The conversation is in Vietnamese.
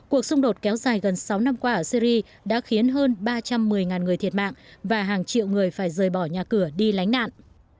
cuộc xung đột kéo dài gần sáu năm qua ở syri đã khiến hơn ba trăm một mươi người thiệt mạng và hàng triệu người phải rời bỏ nhà cửa đi lánh nạn